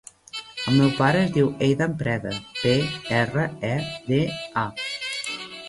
El meu pare es diu Eidan Preda: pe, erra, e, de, a.